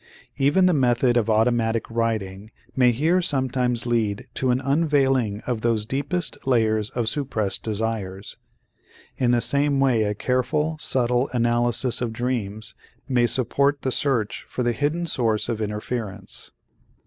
Even the method of automatic writing may here sometimes lead to an unveiling of those deepest layers of suppressed desires. In the same way a careful, subtle analysis of dreams may support the search for the hidden source of interference.